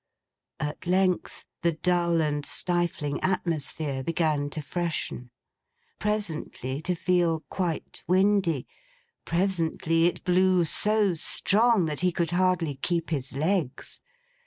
At length, the dull and stifling atmosphere began to freshen: presently to feel quite windy: presently it blew so strong, that he could hardly keep his legs.